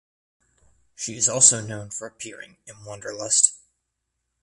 She is also known for appearing in "Wanderlust".